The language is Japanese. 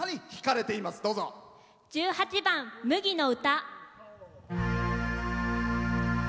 １８番「麦の唄」。